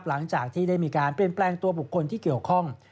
หลังจากที่ได้มีการเปลี่ยนแปลงตัวบุคคลที่เกี่ยวข้อง